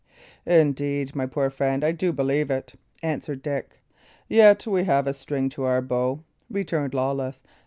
"Indeed, my poor friend, I do believe it," answered Dick. "Yet have we a string to our bow," returned Lawless.